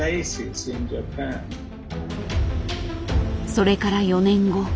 それから４年後。